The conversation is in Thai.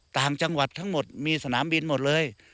ต่างจังหวัดทั้งหมดมีสนามบินหมดเลย